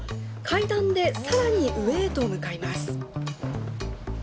階段で更に上へと向かいます。